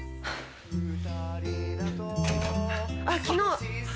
あっ昨日。